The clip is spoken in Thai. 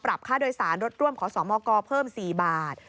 ปรับค่าโดยสารรถร่วมขอสอบมอกรเพิ่ม๔บาท